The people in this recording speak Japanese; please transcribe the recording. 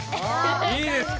いいですか？